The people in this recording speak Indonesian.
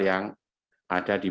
yang ada di